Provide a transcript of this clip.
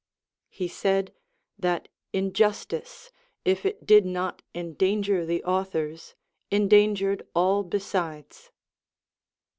He said, that injustice, if it did not endanger the authors, endangered all besides.